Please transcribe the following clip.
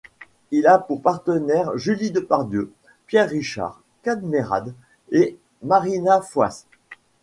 Il a pour partenaires Julie Depardieu, Pierre Richard, Kad Merad et Marina Foïs.